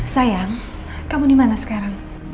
sayang kamu dimana sekarang